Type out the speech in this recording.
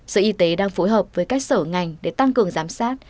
sở y tế đang phối hợp với các sở ngành để tăng cường giám sát